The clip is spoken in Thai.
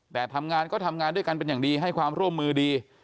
แต่ทำงานก็ทำงานด้วยกันเป็นอย่างดีให้ความร่วมมือดี